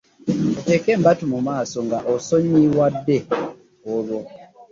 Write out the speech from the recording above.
Oteke embatu mumaaso nga osonyiwadde olwo .